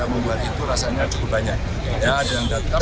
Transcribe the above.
yang membuat itu rasanya cukup banyak